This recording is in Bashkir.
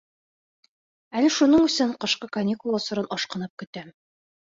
Әле шуның өсөн ҡышҡы каникул осорон ашҡынып көтәм.